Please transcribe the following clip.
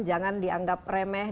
jangan dianggap remeh